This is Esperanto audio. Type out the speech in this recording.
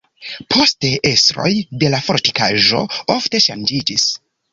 Poste estroj de la fortikaĵo ofte ŝanĝiĝis.